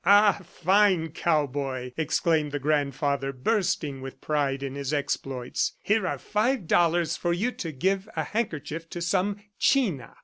"Ah, fine cowboy!" exclaimed the grandfather bursting with pride in his exploits. "Here are five dollars for you to give a handkerchief to some china."